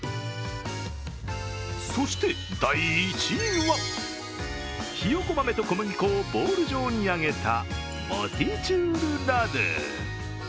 そして第１位は、ひよこ豆と小麦粉をボール状に揚げたモティチュールラドゥ。